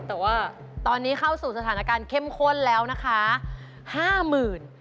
แต่ว่าตอนนี้เข้าสู่สถานการณ์เข้มข้นแล้วนะคะห้าหมื่น